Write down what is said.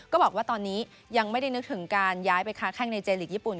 ก็บอกว่าตอนนี้ยังไม่ได้นึกถึงการย้ายไปค้าแข้งในเจลีกญี่ปุ่น